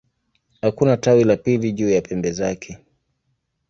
Hakuna tawi la pili juu ya pembe zake.